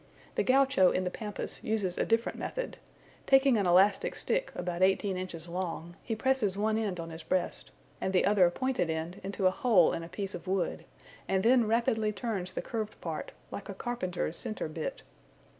The Gaucho in the Pampas uses a different method: taking an elastic stick about eighteen inches long, he presses one end on his breast, and the other pointed end into a hole in a piece of wood, and then rapidly turns the curved part, like a carpenter's centre bit.